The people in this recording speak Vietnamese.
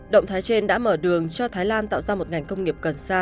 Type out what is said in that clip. động thái trên đã mở đường cho thái lan tạo ra một ngành công nghiệp cần xa